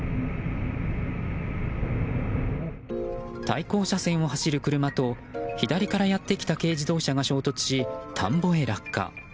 対向車線を走る車と左からやってきた軽自動車が衝突し田んぼへ落下。